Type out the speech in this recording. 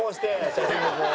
写真もこう。